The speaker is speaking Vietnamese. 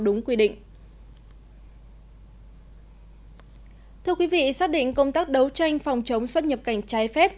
đúng quy định thưa quý vị xác định công tác đấu tranh phòng chống xuất nhập cảnh trái phép